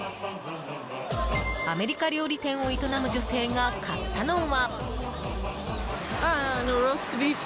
アメリカ料理店を営む女性が買ったのは。